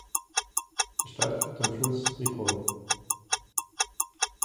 Die Stadt liegt am Fluss Ripoll.